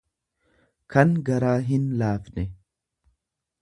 kan garaa hinlaafne.